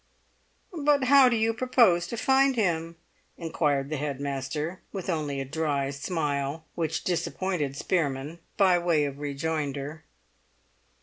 "But how do you propose to find him?" inquired the head master, with only a dry smile (which disappointed Spearman) by way of rejoinder.